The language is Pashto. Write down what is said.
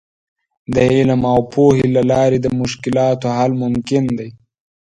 د علم او پوهې له لارې د مشکلاتو حل ممکن دی.